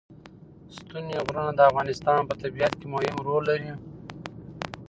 ستوني غرونه د افغانستان په طبیعت کې مهم رول لري.